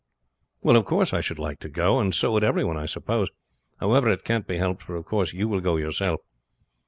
"Well, of course I should like to go, and so would everyone I suppose, however, it can't be helped; for of course you will go yourself."